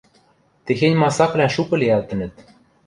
Техень масаквлӓ шукы лиӓлтӹнӹт.